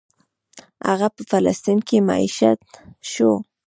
هغه په فلسطین کې مېشت شو.